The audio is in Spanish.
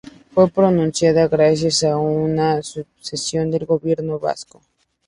Fue producida gracias a una subvención del gobierno vasco.